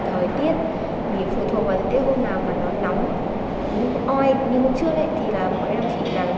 thì đến khi dậy trưa một tí rồi là ăn cơm